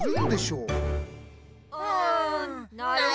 うんなるほど。